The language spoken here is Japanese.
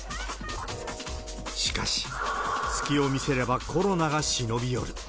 しかし、隙を見せればコロナが忍び寄る。